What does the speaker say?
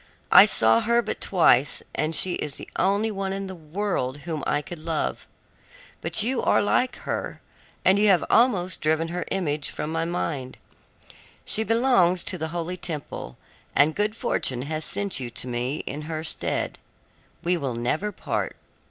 I saw her but twice, and she is the only one in the world whom I could love. But you are like her, and you have almost driven her image from my mind. She belongs to the holy temple, and good fortune has sent you to me in her stead. We will never part.